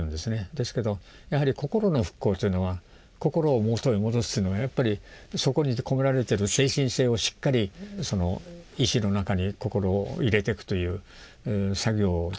ですけどやはり心の復興というのは心を元に戻すというのはやっぱりそこに込められてる精神性をしっかり石の中に心を入れていくという作業ですね。